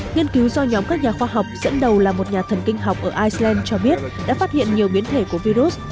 nghiên cứu do nhóm các nhà khoa học dẫn đầu là một nhà thần kinh học ở iceland cho biết đã phát hiện nhiều biến thể của virus